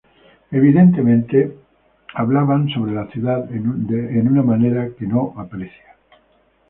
Evidentemente hablaban sobre la ciudad en una manera que no aprecia.